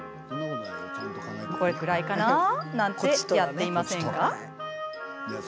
これくらいかななんてやっていませんか？